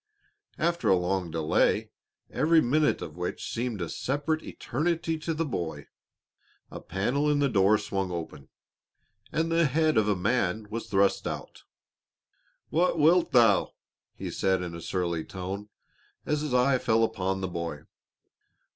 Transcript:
After a long delay, every minute of which seemed a separate eternity to the boy, a panel in the door swung open, and the head of a man was thrust out. "What wilt thou?" he said in a surly tone, as his eye fell upon the boy.